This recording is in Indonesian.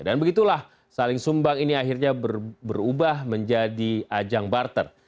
dan begitulah saling sumbang ini akhirnya berubah menjadi ajang barter